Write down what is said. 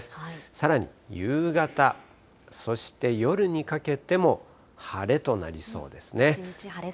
さらに夕方、そして夜にかけても晴れとなりそうですね。